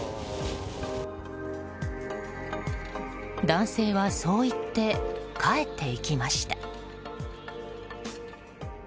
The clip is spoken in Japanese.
男性は、そう言って帰っていきました。